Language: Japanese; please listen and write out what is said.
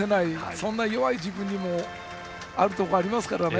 そんな弱い自分もあるところはありますからね。